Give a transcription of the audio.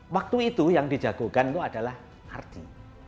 waktu itu yang dijagokan itu adalah ardi